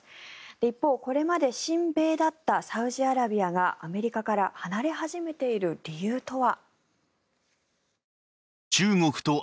一方、これまで親米だったサウジアラビアがアメリカから離れ始めている理由とは。